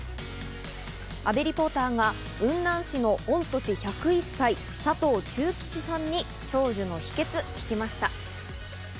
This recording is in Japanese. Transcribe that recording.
阿部リポーターが雲南市の御年１０１歳、佐藤忠吉さんに長寿の秘訣、聞きました。